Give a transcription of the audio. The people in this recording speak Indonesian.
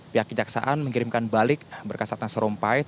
pihak kejaksaan mengirimkan balik berkas ratna sarumpait